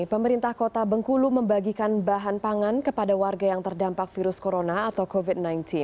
pemerintah kota bengkulu membagikan bahan pangan kepada warga yang terdampak virus corona atau covid sembilan belas